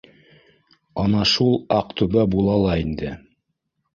Ана шул Аҡтүбә була ла инде